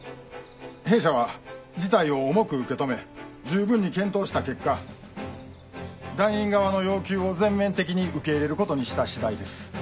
「弊社は事態を重く受け止め十分に検討した結果団員側の要求を全面的に受け入れることにした次第です」。